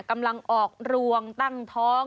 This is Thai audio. กำลังออกรวงตั้งท้อง